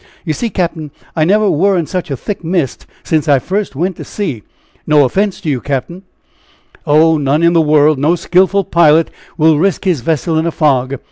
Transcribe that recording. You see, cap'n, I never wer' in such a thick mist since I first went to sea. No offense to you, cap'n!" "Oh, none in the world! No skillful pilot will risk his vessel in a fog.